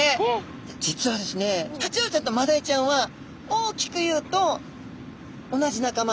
タチウオちゃんとマダイちゃんは大きく言うと同じ仲間。